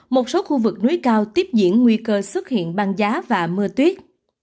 một số khu vực núi cao tiếp diễn nguy cơ xuất hiện băng giá và mưa tuyết